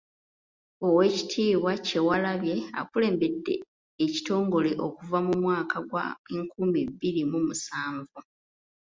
Oweekitiibwa Kyewalabye akulembedde ekitongole okuva mu mwaka gwa nkumi bbiri mu musanvu.